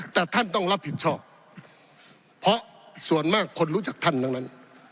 แต่ท่านต้องรับผิดชอบเพราะส่วนมากคนรู้จักท่านทั้งนั้น